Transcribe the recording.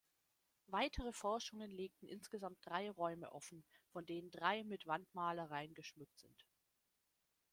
Weitere Forschungen legten insgesamt drei Räume offen, von denen drei mit Wandmalereien geschmückt sind.